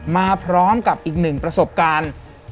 มาพร้อมกับอีกหนึ่งประสบการณ์